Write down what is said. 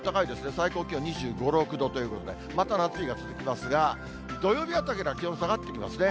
最高気温２５、６度ということで、また夏日が続きますが、土曜日あたりから気温下がってきますね。